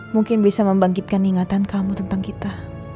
mungkin bisa membangkitkan ingatan kamu tentang kita